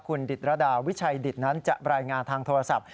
คุณดิตรดาวิชัยดิตนั้นจะรายงานทางโทรศัพท์